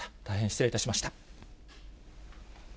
大変失礼いたしました。